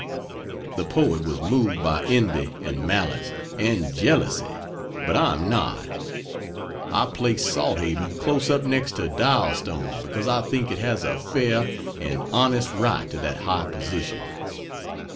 The poet was moved by envy and malice and jealousy, but I am not: I place Salthaven close up next to Dialstone because I think it has a fair and honest right to that high position.